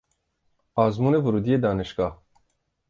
آزمون ورودی دانشگاه